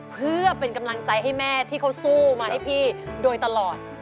เพื่อเป็นกำลังใจให้แม่ที่เขาสู้มาให้พี่โดยตลอด